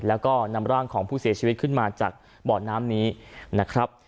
แล้วก็นำร่างของผู้เสียชีวิตขึ้นมาจากบ่อน้ำนี้นะครับ